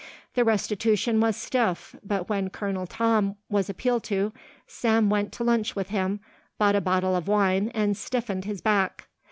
The restitution was stiff, but when Colonel Tom was appealed to, Sam went to lunch with him, bought a bottle of wine, and stiffened his back.